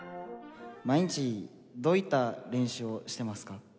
毎日どういった練習をしていますか？